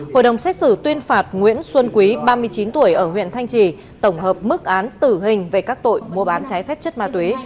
hội đồng xét xử tuyên phạt nguyễn xuân quý ba mươi chín tuổi ở huyện thanh trì tổng hợp mức án tử hình về các tội mua bán trái phép chất ma túy